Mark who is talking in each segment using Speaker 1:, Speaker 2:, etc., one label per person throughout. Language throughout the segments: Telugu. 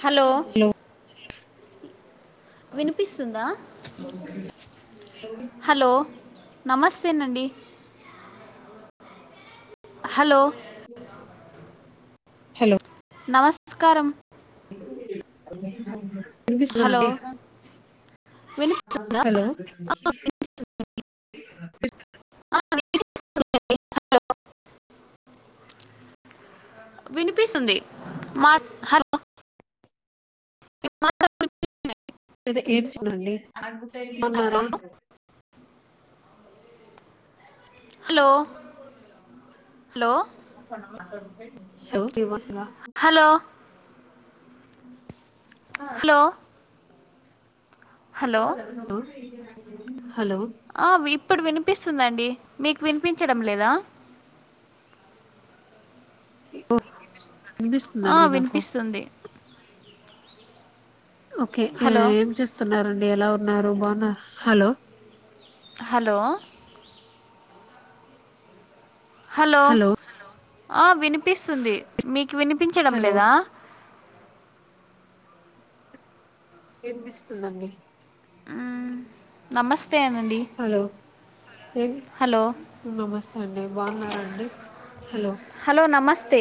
Speaker 1: హలో
Speaker 2: హ లో
Speaker 1: వినిపిస్తుందా
Speaker 2: అఓ
Speaker 1: హలో నమస్తేనండి హలో
Speaker 2: బ స
Speaker 1: నమస్కారం
Speaker 2: అ
Speaker 1: హలో వినిపిస్తుందా
Speaker 2: హలో
Speaker 1: [inaudible] వినిపిస్తుంది మా హలో [inaudible]
Speaker 2: దే ఏడ్చిన అండి బావున్నారా
Speaker 1: హలో
Speaker 2: మా హలో [unintelligible]
Speaker 1: హలో
Speaker 2: ఆ చె
Speaker 1: హలో హలో
Speaker 2: హలో
Speaker 1: ఆ, వి- ఇప్పుడు వినిపిస్తుందండి మీకు వినిపించడం లేదా ఆ
Speaker 2: వినిపిస్తుందండి నాకు
Speaker 1: వినిపిస్తుంది
Speaker 2: ఓకే ఎ
Speaker 1: హలో
Speaker 2: ఏం చేస్తున్నారండి ఎలా ఉన్నారు బాగున్నా హలో
Speaker 1: హలో హలో ఆ విని వినిపిస్తుంది మీకు వినిపించడం
Speaker 2: హలో
Speaker 1: లేదా
Speaker 2: వినిపిస్తుందండి
Speaker 1: మ్ నమస్ స్తే నండి
Speaker 2: హలో ఏం నమస్తే అండి బాగున్నారా అండి హలో
Speaker 1: తే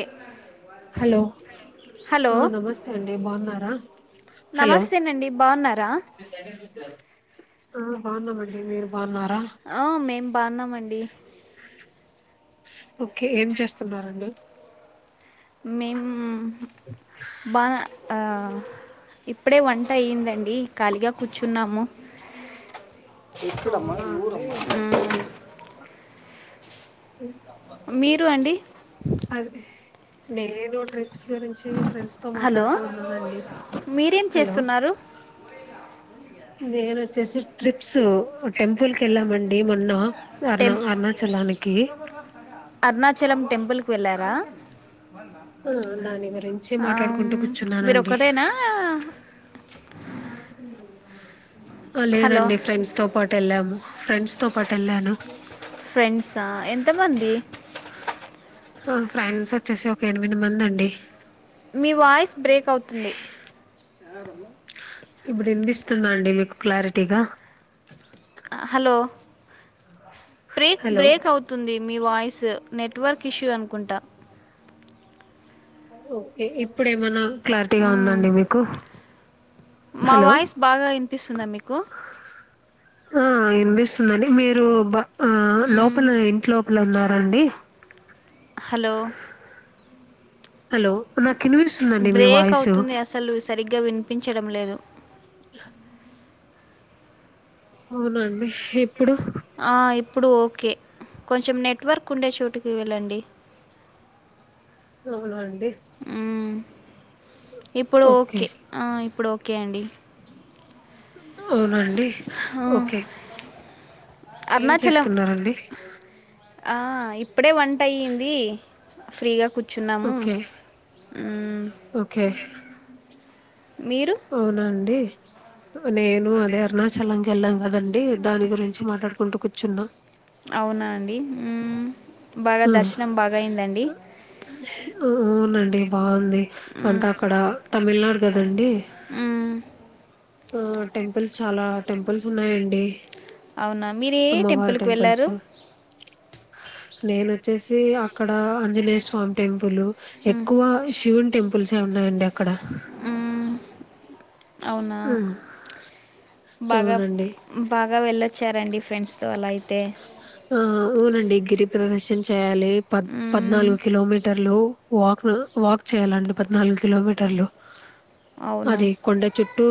Speaker 2: హలో ఆ నమస్తే అండి బాగున్నారా? హలో
Speaker 1: నమస్తేనండి బాగున్నారా
Speaker 2: ఆ బాగున్నామండి మీరు బాగున్నారా
Speaker 1: ఆ మేం బాగున్నామండి
Speaker 2: ఓకే ఏం చేస్తున్నారండి
Speaker 1: మేమ్ బాన ఇప్పుడే వంట అయ్యిందండి ఖాళీగా కూర్చున్నాము మ్
Speaker 2: అవునా అండి
Speaker 1: మీరు అండి
Speaker 2: అదే నేనోదో ట్రై క్స్ గురించి ఫ్రెండ్స్ తో
Speaker 1: హలో
Speaker 2: మాట్లాడుతూ ఉన్నానండి
Speaker 1: మీరేం
Speaker 2: హలో
Speaker 1: చేస్తున్నారు
Speaker 2: నేను వచ్ [unintelligible] ట్రిప్ ప్స్ టెంపుల్ కి వెళ్ళామండి మొన్న అరుణ
Speaker 1: టెం
Speaker 2: అరుణాచలానికి
Speaker 1: చలం టెంపుల్ వెళ్లారా
Speaker 2: ఆ దాని గురించి
Speaker 1: ఆ ఉమ్
Speaker 2: మాట్లాడుకుంటూ
Speaker 1: మీరు
Speaker 2: కూర్చున్నానండి
Speaker 1: ఒకటేనా
Speaker 2: లేదండి ఫ్రెండ్స్ తో పాటు వెళ్ళాము ఫ్రెండ్స్ తో పాటు వెళ్ళాను
Speaker 1: ఫ్రెండ్సా ఎంతమంది
Speaker 2: ఆ ఫ్రెండ్స్ వచ్చేసి ఒక ఎనిమిది మంది అండి
Speaker 1: మీ వాయిస్ బ్రేక్ అవుతుంది [unintelligible]
Speaker 2: ఇప్పుడు వినిపిస్తుందా అండి మీకు క్లారిటీగా
Speaker 1: హలో బ్రేక్
Speaker 2: హలో
Speaker 1: బ్రేక్ అవుతుంది మీ వాయిస్ నెట్వర్క్ ఇష్యూ అనుకుంటా
Speaker 2: ఓకే ఇప్పుడేమన్నా క్లారిటీగా
Speaker 1: మ్మ్.
Speaker 2: ఉందండి మీకు
Speaker 1: మా
Speaker 2: హలో
Speaker 1: వాయిస్ బాగా వినిపిస్తుందా మీకు
Speaker 2: ఆ వినిపిస్తుందండి మీరు బ ఆ
Speaker 1: మ్మ్.
Speaker 2: లోపల ఇంటి లోపల ఉన్నారాండి
Speaker 1: హలో
Speaker 2: హలో నాకు వినిపిస్తుందండి మీ
Speaker 1: బ్రేక్
Speaker 2: వాయిసు
Speaker 1: అవుతుంది అసలు సరిగ్గా వినిపించడం లేదు
Speaker 2: అవున హిప్పుడు
Speaker 1: ఆ, ఇప్పుడు ఓకే కొంచెం నెట్వర్క్ ఉండే చోటుకి వెళ్ళండి
Speaker 2: అవునా అండి
Speaker 1: మ్మ్. ఇప్పుడు ఓకే ఆ ఇప్పుడు కే అండి
Speaker 2: అవునండి
Speaker 1: ఆ,
Speaker 2: ఓకే ఏం
Speaker 1: అరుణాచలం
Speaker 2: చేస్తున్నారండి
Speaker 1: ఆ ఇప్ ప్పుడే వంట అయ్యింది ఫ్రీగా కు చున్నాము
Speaker 2: ఓకే
Speaker 1: ఊ
Speaker 2: ఓకే అవునా అండి నేను అదే అరుణాచలంకి ఎళ్ళాం కదండి దాని గురించి మాట్లాడుకుంటూ కూర్చున్నా
Speaker 1: అవునా అండి మ్మ్. బాగా దర్శనం బాగా అయిందండి
Speaker 2: ఉ ఊవునండి బాగుంది
Speaker 1: మ్మ్.
Speaker 2: అంత అక్కడ తమిళనాడు కదండి
Speaker 1: ఉమ్
Speaker 2: అ
Speaker 1: అవునా మీరు ఏ
Speaker 2: అమ్మవారి
Speaker 1: టెంపుల్కి
Speaker 2: టెంపుల్స్
Speaker 1: వెళ్ళారు
Speaker 2: నేనొచ్చేసి అక్కడ ఆంజనేయ స్వామి టెంపులు
Speaker 1: మ్మ్.
Speaker 2: ఎక్కువ శివుని టెంపుల్సే ఉన్నాయండి అక్కడ
Speaker 1: మ్మ్. అవునా
Speaker 2: హ్మ్.
Speaker 1: బాగా
Speaker 2: అవునండి
Speaker 1: బాగా వెళ్లండి వచ్చారండి ఫ్రెండ్స్
Speaker 2: ఆవునండి గిరి ప్రదక్షన్ చేయాలి పద్
Speaker 1: మ్మ్.
Speaker 2: పద్నాలుగు కిలోమీటర్లు వాక్ అ వాక్ చేయాలండి పద్నాలుగు కిలోమీటర్లు
Speaker 1: అవునా
Speaker 2: అది కొండ చుట్టూ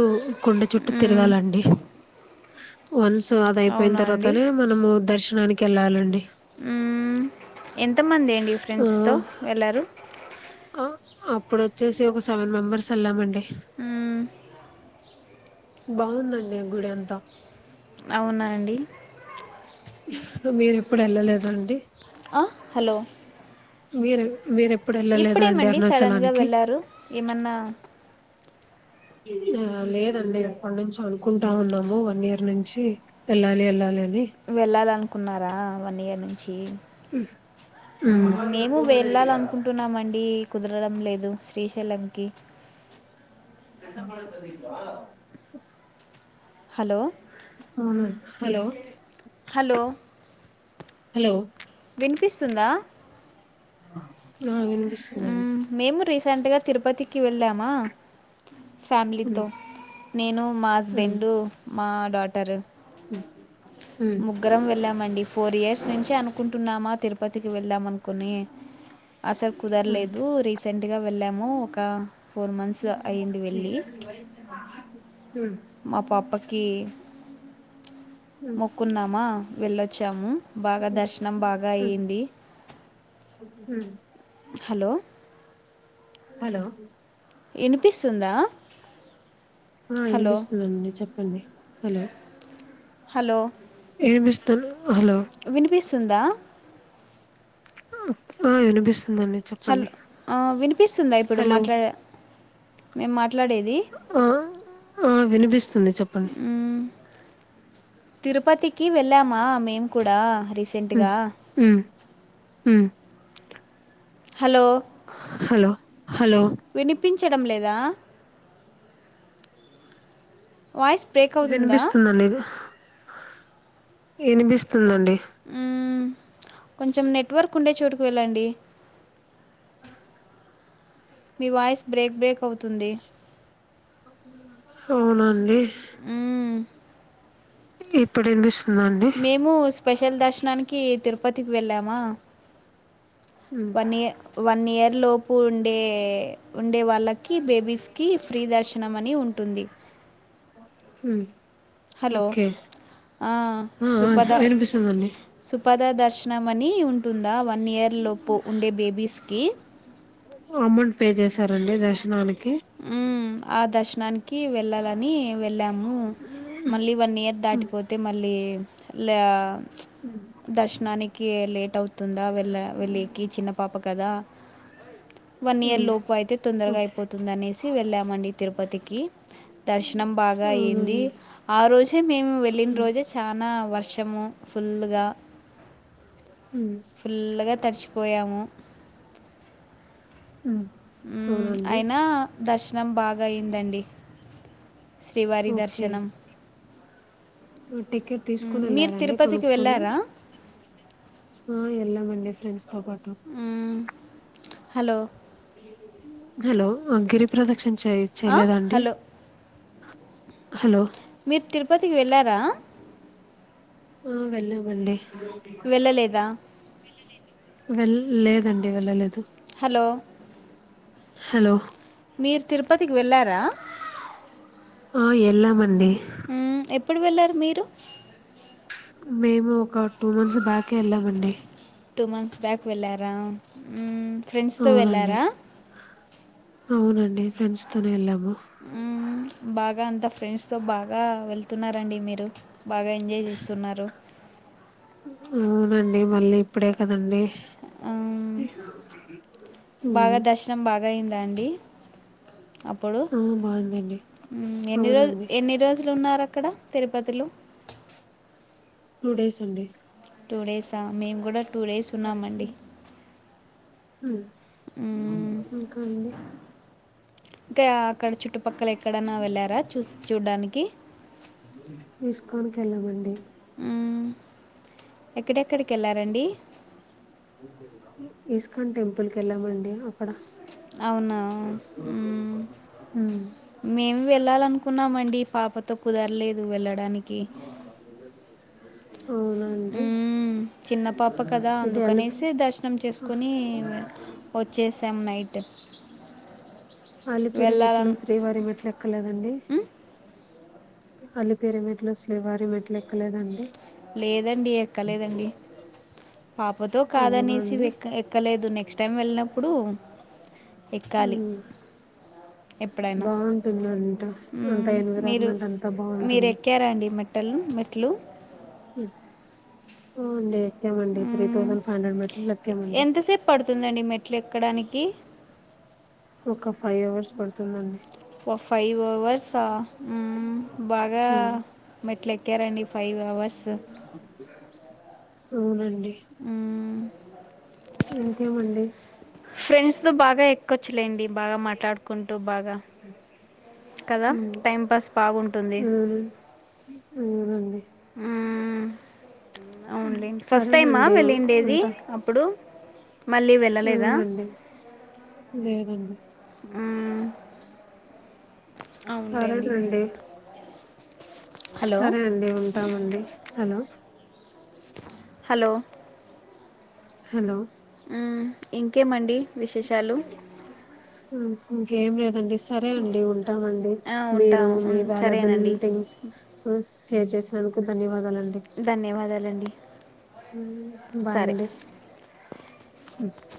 Speaker 2: కొండ చుట్టు
Speaker 1: మ్మ్.
Speaker 2: తిరగాలండి వన్స్ సో అదియిపోయిన
Speaker 1: అవునా అండి
Speaker 2: తర్వాతనే మనము దర్శనానికెళ్ళాలండి
Speaker 1: మ్మ్. ఎంతమంది అండి
Speaker 2: హు
Speaker 1: ఫ్రెండ్స్తో వెళ్ళారు
Speaker 2: అ అ ఇప్పుడొచ్చేసి ఒక సెవెన్ మెంబర్స్ వెళ్ళామండి
Speaker 1: మ్మ్.
Speaker 2: బాగుందండి ఆ గుడి అంతా
Speaker 1: అవునా అండి
Speaker 2: మీరు ఎప్పుడు వెళ్ళలేద అండి
Speaker 1: ఆ, హలో
Speaker 2: వీరు వీర
Speaker 1: ఇప్పుడేమండి సడన్గా వెళ్ళారు ఏమన్నా
Speaker 2: ఆ లేదండి ఎప్పటి నుంచో అనుకుంటా ఉన్నాము వన్ ఇయర్ నుంచి వెళ్ళాలి వెళ్ళాలి అని
Speaker 1: వెళ్లాలనుకో అనుకున్నారా వన్ ఇయర్ నుంచి ఉ
Speaker 2: ఉమ్
Speaker 1: మేము వెళ్ళాలనుకుంటున్నామండి కుదరడం లేదు శ్రీశైలంకి
Speaker 2: తెలిసిన కాడ ఉంటే తీస్తావా
Speaker 1: హలో
Speaker 2: అవునండి హలో
Speaker 1: హలో
Speaker 2: హలో
Speaker 1: వినిపిస్తుందా
Speaker 2: ఆ వినిపిస్తుందండి
Speaker 1: మేము రీసెంట్ గా రీసెంట్గా తిరుపతికి వెళ్ళామా
Speaker 2: ఉమ్
Speaker 1: ఫ్యామిలీతో నేను మా హస్బెండు మా డాటరు
Speaker 2: హ్మ్
Speaker 1: ముగ్గరం వెళ్ళాం మండి ఫోర్ ఇయర్స్ నుంచి అనుకుంటున్నామా తిరుపతికి వెళ్దాం అనుకుని అసలు
Speaker 2: ఉమ్
Speaker 1: కుదరలేదు రిసే సెంట్గా వెళ్ళాము ఒక ఫోర్ మంత్స్ అయింది వెళ్ళి
Speaker 2: [unintelligible]
Speaker 1: మా పాప పక్కీ మొక్కున్నామా వెళ్ళొచ్చాము బాగా దర్శనం బాగా
Speaker 2: హ్మ్
Speaker 1: అయ్యింది
Speaker 2: హ్మ్
Speaker 1: హలో
Speaker 2: హలో
Speaker 1: ఇన్పిస్తుందా
Speaker 2: ఆ ఇన్పిస్తుందండి చెప్పండి హలో
Speaker 1: హలో
Speaker 2: ఏమిస్తారు
Speaker 1: వినిపి సుంద
Speaker 2: అ విన్పిస్త్
Speaker 1: హలో
Speaker 2: చెప్పండి
Speaker 1: ఆ, వినిపిస్తుందా ఇప్పుడు
Speaker 2: హలో
Speaker 1: మాట్లాడే మేము మాట్లాడేది
Speaker 2: హ వినిపిస్తుంది చెప్పండి
Speaker 1: తిరుపతికి వెళ్ళామా మేము కూడా
Speaker 2: హ్మ్
Speaker 1: రీసెంట్గా
Speaker 2: హ్మ్ హ్మ్
Speaker 1: హలో
Speaker 2: హలో హలో
Speaker 1: పించడం లేదా వాయిస్ బ్రేక్ అవుతుందా
Speaker 2: వినిపిస్తుందండి వినిపిస్తుందండి
Speaker 1: హ్మ్ కొంచెం నెట్వర్క్ ఉండే చోటుకి వెళ్ళండి మీవాయిస్ బ్రేక్ బ్రేక్ అవుతుంది
Speaker 2: అవునండి
Speaker 1: ఆ
Speaker 2: ఇప్పుడే విని
Speaker 1: మేము స్పెషల్ దర్శనానికి తిరుప పతికి వెళ్ళామా
Speaker 2: హ్మ్
Speaker 1: వన్నియ వన్ ఇయర్ లో ప్ ఉండే ఉ ండే వాళ్ళకి బేబీస్ కి ఫ్రీ దర్శనం అని ఉంటుంది
Speaker 2: ఉమ్
Speaker 1: హలో అ
Speaker 2: ఆ ఆ
Speaker 1: సుపద
Speaker 2: వినిపిస్తుందండి
Speaker 1: సుపద దర్శ శనమని ఉ టుందా వన్ ఇయర్ లోపు ఉండే బేబీస్కి
Speaker 2: అమౌంట్ పే చేసారండి దర్శనాని
Speaker 1: ఉం ఆ దర్శనానికి కి వెళ్ళాల అని వెళ్ళాము మళ్ళీ వన్ ఇయర్
Speaker 2: హ్మ్
Speaker 1: దాటిపోతే మళ్ళీ లే
Speaker 2: ఊమ్
Speaker 1: కె లేట్ అవుతుందా వెళ్ళ వెళ్ళికి చిన్న పాప కదా వన్ ఇయర్ లోపు అయితే తొందరగా
Speaker 2: ఓకే
Speaker 1: అయిపో సి వెళ్ళామండి తిరుపతికి దర్శనం బాగా అయింది
Speaker 2: అవునండి
Speaker 1: ఆ రోజు మేము వెళ్ళిన
Speaker 2: హ్మ్
Speaker 1: రోజే చానా వర వర్షము ఫుల్లుగా
Speaker 2: హ్మ్
Speaker 1: ఫుల్గా తడిచిపోయాము
Speaker 2: హ్మ్
Speaker 1: ఉమ్
Speaker 2: అవునండి
Speaker 1: అయినా దర్శనం బాగా అయ్యిందండి శ్రీవారి
Speaker 2: ఓకే
Speaker 1: దర్శనం
Speaker 2: టికెట్
Speaker 1: మ్మ్,
Speaker 2: తీసుకుని
Speaker 1: మీరు
Speaker 2: వెళ్ళారండి
Speaker 1: తిరుపతికి
Speaker 2: కొనుక్కొని
Speaker 1: వెళ్ళారా
Speaker 2: ఆ ఎల్లామండి ఫ్రెండ్స్ తో పాటు
Speaker 1: మ్మ్, హలో
Speaker 2: హలో అ గిరిప్రద క్షిణ చేయి
Speaker 1: ఆ,
Speaker 2: చేయలేదండి
Speaker 1: హలో
Speaker 2: హలో
Speaker 1: మీరు తిరుపతికి వెళ్ళారా
Speaker 2: ఆ వెళ్లామండి
Speaker 1: వెళ్ళలేదా
Speaker 2: వెళ్ళ లేదండి వెళ్ళలేదు
Speaker 1: హలో
Speaker 2: హలో
Speaker 1: మీరు తిరుపతికి వెళ్ళారా
Speaker 2: ఆ వెళ్ళమండి
Speaker 1: మ్మ్, ఎప్పుడు వెళ్ళారు మీరు
Speaker 2: మేము ఒక టూ మంత్స్ బ్యాకే వెళ్ళామండి
Speaker 1: టూ మంత్స్ బ్యాక్ వెళ్ళారా ఫ్రెండ్స్తో
Speaker 2: అవునండి
Speaker 1: వెళ్ళారా
Speaker 2: అవునండి ఫ్రెండ్స్ తోనే వెళ్ళాము
Speaker 1: మ్మ్, బాగా అంత ఫ్రెండ్స్ తో బాగా వెళ్తున్నారండి మీరు బాగా ఎంజాయ్ చేస్తున్నారు
Speaker 2: అవునండి మరి ఎప్పుడు అసలు వినలే
Speaker 1: మ్మ్,
Speaker 2: ఊ
Speaker 1: బగాయిందా అండి అప్పుడు
Speaker 2: ఆ బాగుందండి
Speaker 1: ఎన్ని రోజులు
Speaker 2: అవునండి
Speaker 1: ఎన్ని రోజులు ఉన్నారు అక్కడ తిరుపతిలో
Speaker 2: టూ డేస్ అండి
Speaker 1: టూ డేసా మేము కూడా టూ డేస్ ఉన్నామండి
Speaker 2: హ
Speaker 1: మ్మ్,
Speaker 2: ఇంకా అండి
Speaker 1: ఇంకా అక్కడ చుట్టు పక్కల ఎక్కడన్నా వెళ్ళారా చూ చూడ్డానికి
Speaker 2: ఇస్కాన్కీ వెళ్ళామండి
Speaker 1: ఎక్కడెక్కడికి వెళ్ళారండి
Speaker 2: ఇస్కాన్ టెంపుల్ కి వెళ్ళామండి అక్కడ
Speaker 1: అవునా
Speaker 2: ఉమ్
Speaker 1: మేమ్ వెళ్ళాల అనుకున్నామండి పాపతో కుదరలేదు వెళ్ళడాని కి
Speaker 2: అవునండి
Speaker 1: ఊ చిన్న పాప కదా
Speaker 2: ఇది అలిపి
Speaker 1: అందుకనేసి దర్శనం చేసుకుని వచ్చేసాం నైట్ ట
Speaker 2: అలిపిరి మెట్లు శ్రీవారి మెట్లు ఎక్కలేదండి
Speaker 1: మ్మ్?
Speaker 2: అలిపిరిమెట్లు శ్రీవారి మెట్లు ఎక్కలేదండి
Speaker 1: లేదండి ఎక్కలేదండి పాపతో కాదు ఆనేసి
Speaker 2: అవునండి
Speaker 1: ఎ ఎక్కలేదు నెక్ నెక్స్ట్ టై వెళ్ళిన ప్పుడు ఎక్కాలి
Speaker 2: ఉమ్
Speaker 1: ఎప్పుడైనా
Speaker 2: బాగుంటుందంట
Speaker 1: ఉ
Speaker 2: అంత
Speaker 1: మీరు
Speaker 2: ఎన్విరాన్మెంట్ అంతా
Speaker 1: మీరు
Speaker 2: బాగుంటుంది
Speaker 1: ఎక్కారా అండి మేట్టలు మే ట్లు
Speaker 2: ఓ అండి ఎక్కామండి
Speaker 1: ఊ
Speaker 2: త్రీ థౌజండ్ ఫైవ్ హండ్రెడ్ మెట్లు ఎక్కామండి
Speaker 1: ఎంతసేపు పడుతుందండి మెట్లు ఎక్కడానికి
Speaker 2: ఒక ఫైవ్ అవర్స్ పడుతుందండి
Speaker 1: ఒ ఫైవ్ అవర్స్ఆ ఉ బాగా
Speaker 2: ఉమ్
Speaker 1: మెట్ల ఎక్కరండి ఫైవ్ అవర్స్ ర్స్
Speaker 2: అవునండి డి ఇంకేమండి
Speaker 1: ఫ్రెండ్స్ తో బాగా ఎక్క్కొచ్చు అట్లేండి బాగా మాట్లాడుకుంటూ బాగా కదా
Speaker 2: ఉమ్
Speaker 1: టైం పాస్ బాగుంటుంది
Speaker 2: అవును అవునండి
Speaker 1: ఆ
Speaker 2: ఉమ్,
Speaker 1: అవునులేండి ఫస్ట్ టైమా
Speaker 2: సరేనండి
Speaker 1: వెళ్ళిండేది అప్పుడు మళ్ళీ వెళ్ళలేదా
Speaker 2: అవును అండి లేదండి అ
Speaker 1: ఊ
Speaker 2: సరేనండి
Speaker 1: హలో
Speaker 2: సరే అండి ఉంటామండి హలో
Speaker 1: హలో
Speaker 2: హలో
Speaker 1: ఉమ్ ఇంకేమండి
Speaker 2: స
Speaker 1: విశేషాలు
Speaker 2: ఇంకేం లేదండి సరే అండి ఉంటామండి
Speaker 1: ఆ, ఉంటా
Speaker 2: మీరు
Speaker 1: ఉం,
Speaker 2: మీ వ్యాలబుల్
Speaker 1: సరేనండి
Speaker 2: థింగ్స్ షేర్ చేసినందుకు ధన్యవాదాలు డి
Speaker 1: ధన్యవాదాలండి
Speaker 2: బాయ్
Speaker 1: సరే
Speaker 2: అండి ఉ